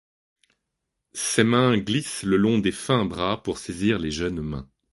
Ses mains glissent le long des fins bras pour saisir les jeunes mains.